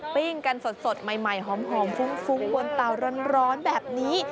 ปิ้งกันสดใหม่หอมฟุ้งบนเตาร้อนแบบนี้